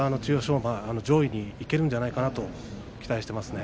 馬、また上位にいけるんじゃないかと期待しています。